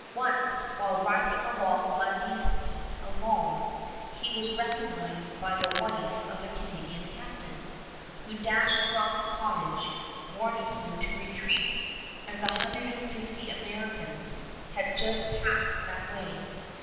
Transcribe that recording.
Once, while riding along Lundy's Lane alone, he was recognized by the wife of a Canadian captain, who dashed from the cottage, warning him to retreat, as a hundred and fifty Americans had just passed that way.